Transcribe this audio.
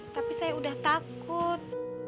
tapi saya udah takut